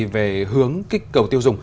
về hướng kích cầu tiêu dùng